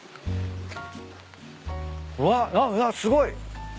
うわなっすごい！